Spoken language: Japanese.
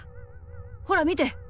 ほらみて！